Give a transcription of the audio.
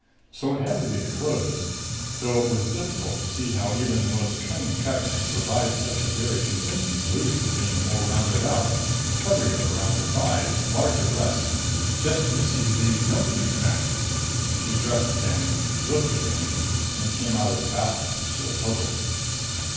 So it had to be the clothes; though it was difficult to see how even the most cunning cut could provide such a very convincing illusion of being more rounded out, heavier around the thighs, larger breasts just missing being dumpy, in fact. She dressed again, looked again, and came out of the bathroom, still puzzled.